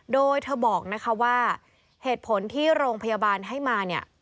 โดยเธอบอกนะคะว่าเหตุผลที่โรงพยาบาลให้มาเนี่ย